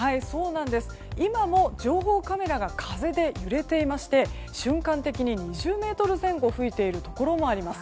今も情報カメラが風で揺れていまして瞬間的に２０メートル前後吹いているところもあります。